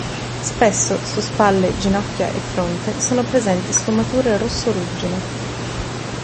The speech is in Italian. Spesso su spalle, ginocchia e fronte sono presenti sfumature rosso-ruggine.